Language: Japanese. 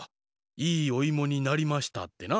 「いいおいもになりました」ってな。